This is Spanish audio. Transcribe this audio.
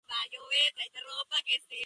Fuentes: Notas del disco "Title".